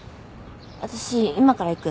私今から行く。